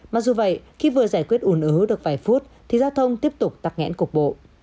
mặc dù vậy khi vừa giải quyết ủn ứ được vài phút thì giao thông tiếp tục tắc nghẽn cục bộ